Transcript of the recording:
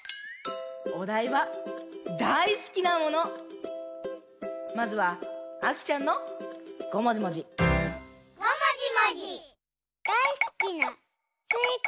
おだいは「だいすきなもの」。まずはあきちゃんのごもじもじ。